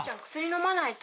飲まないと。